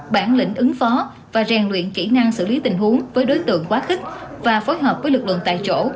bản lĩnh ứng phó và rèn luyện kỹ năng xử lý tình huống với đối tượng quá khích và phối hợp với lực lượng tại chỗ